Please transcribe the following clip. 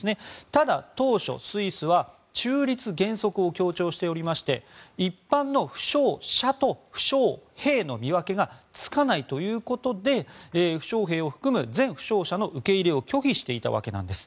ただ、当初スイスは中立原則を強調しておりまして一般の負傷者と負傷兵の見分けがつかないということで負傷兵を含む全負傷者の受け入れを拒否していたわけなんです。